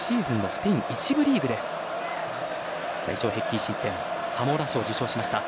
スペイン１部リーグで最少平均失点サモラ賞を受賞しました。